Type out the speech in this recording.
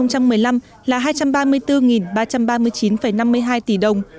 năm hai nghìn một mươi năm là hai trăm ba mươi bốn ba trăm ba mươi chín năm mươi hai tỷ đồng